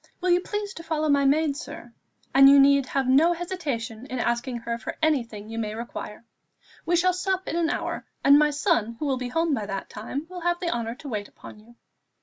Will you please to follow my maid, sir; and you need have no hesitation in asking her for anything you may require. We shall sup in an hour, and my son, who will be home by that time, will have the honour to wait upon you."